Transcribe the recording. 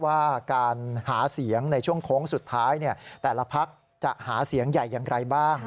ว่าการหาเสียงในช่วงโค้งสุดท้ายแต่ละพักจะหาเสียงใหญ่อย่างไรบ้าง